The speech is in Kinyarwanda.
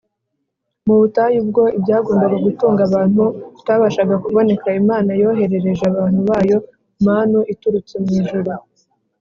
. Mu butayu ubwo ibyagombaga gutunga abantu bitabashaga kuboneka, Imana yoherereje abantu bayo Manu iturutse mw’ijuru